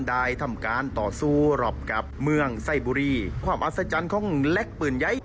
ได้ทำการต่อสู้รอบกับเมืองไส้บุรีความอัศจรรย์ของเล็กปืนใหญ่